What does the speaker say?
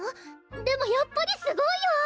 でもやっぱりすごいよ！